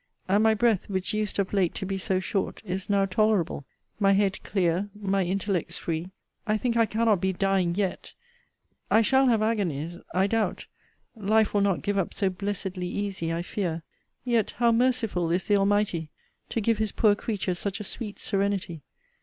And my breath, which used of late to be so short, is now tolerable my head clear, my intellects free I think I cannot be dying yet I shall have agonies, I doubt life will not give up so blessedly easy, I fear yet how merciful is the Almighty, to give his poor creature such a sweet serenity!